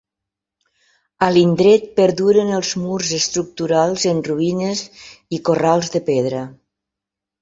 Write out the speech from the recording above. A l'indret perduren els murs estructurals en ruïnes i corrals de pedra.